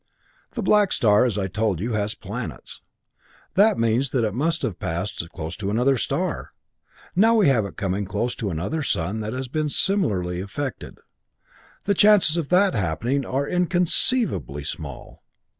"The Black Star, as I told you, has planets. That means that it must have thus passed close to another star. Now we have it coming close to another sun that has been similarly afflicted. The chances of that happening are inconceivably small.